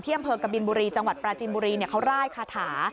อำเภอกบินบุรีจังหวัดปราจินบุรีเขาร่ายคาถา